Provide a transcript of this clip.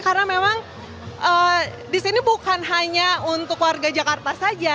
karena memang di sini bukan hanya untuk warga jakarta saja